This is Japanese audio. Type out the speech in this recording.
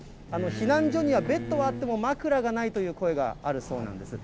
避難所にはベッドがあっても、枕がないという声があるそうなんです。